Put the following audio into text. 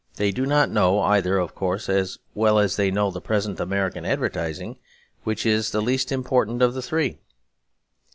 They do not know either, of course, as well as they know the present American advertising, which is the least important of the three.